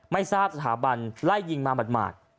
ไม่ทราบสถาบันไล่ยิงมาหมาด